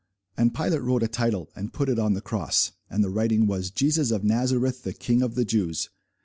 And Pilate wrote a title, and put it on the cross. And the writing was, JESUS OF NAZARETH THE KING OF THE JEWS.